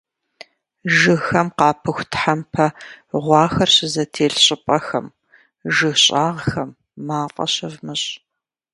Жыгхэм къапыху тхьэмпэ гъуахэр щызэтелъ щӀыпӀэхэм, жыг щӀагъхэм мафӀэ щывмыщӀ.